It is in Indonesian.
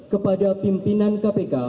kepada pimpinan kpk